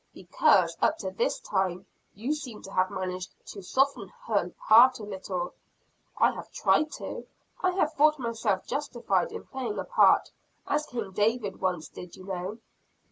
"Because, up to this time, you seem to have managed to soften her heart a little." "I have tried to. I have thought myself justified in playing a part as King David once did you know."